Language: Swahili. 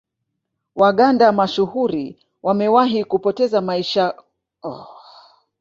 Waganda mashuhuri wamewahi kupoteza maisha kutokana na mashmbulizi ya aina hii